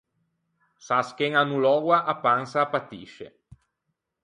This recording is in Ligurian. Se a scheña a no loua, a pansa a patisce.